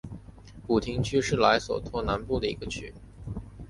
古廷区是莱索托南部的一个区。